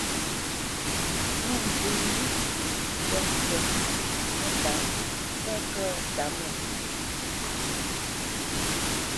Mwôntsəndʉ̂ʼ ntyá kə̂ ə́ Tǎmwō?